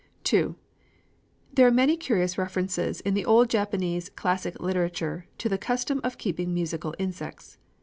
II There are many curious references in the old Japanese classic literature to the custom of keeping musical insects.